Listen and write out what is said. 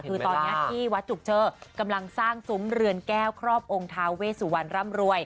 คือตอนนี้ที่วัดจุกเชอกำลังสร้างซุ้มเรือนแก้วครอบองค์ทาเวสุวรรณร่ำรวย